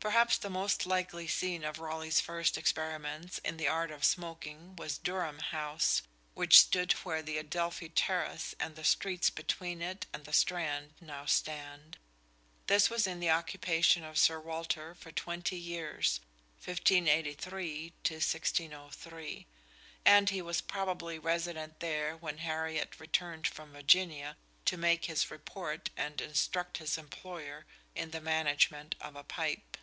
Perhaps the most likely scene of Raleigh's first experiments in the art of smoking was Durham House, which stood where the Adelphi Terrace and the streets between it and the Strand now stand. This was in the occupation of Sir Walter for twenty years (1583 1603), and he was probably resident there when Hariot returned from Virginia to make his report and instruct his employer in the management of a pipe.